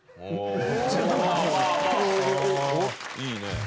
いいね。